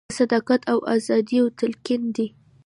د صداقت او ازادیو تلقین دی.